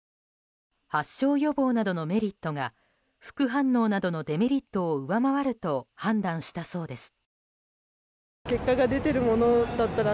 発症予防などのメリットが副反応などのデメリットを上回ると判断したそうです。